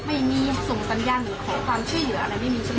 ไม่มีส่งสัญญาณหรือขอความช่วยเหลืออะไรไม่มีใช่ไหม